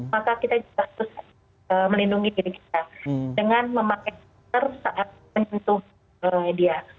maka kita juga harus melindungi diri kita dengan memakai masker saat menyentuh dia